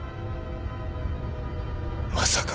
まさか。